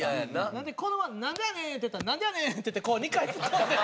なのでこのまま「なんでやねん」ってやったら「なんでやねん」ってやってこう２回ツッコんで。